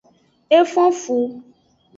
E fon fu.